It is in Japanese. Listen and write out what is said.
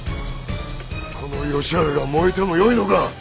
この吉原が燃えてもよいのか？